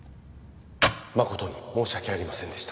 誠に申し訳ありませんでした